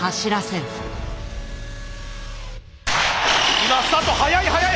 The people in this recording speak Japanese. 今スタート速い速い！